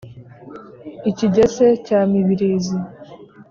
i kigese cya mibirizi,